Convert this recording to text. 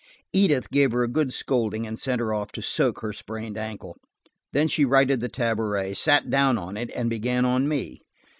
Edith gave her a good scolding and sent her off to soak her sprained ankle. Then she righted the tabouret, sat down on it and began on me.